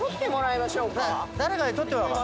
誰かに撮ってもらおうか。